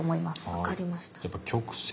分かりました。